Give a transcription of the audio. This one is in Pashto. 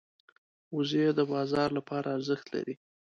وزې د بازار لپاره ارزښت لري